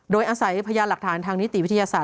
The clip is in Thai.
โดยอาศัยพยานหลักฐานทางนิติวิทยาศาส